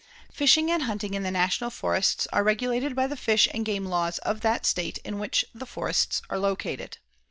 Fishing and hunting in the National Forests are regulated by the fish and game laws of that state in which the forests are located.